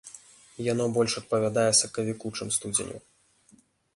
Яно больш адпавядае сакавіку, чым студзеню.